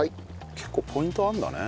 結構ポイントあるんだね。